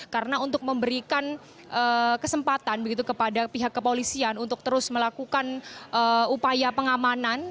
karena untuk memberikan kesempatan begitu kepada pihak kepolisian untuk terus melakukan upaya pengamanan